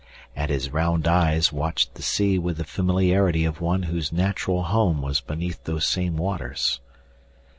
And his round eyes watched the sea with the familiarity of one whose natural home was beneath those same waters.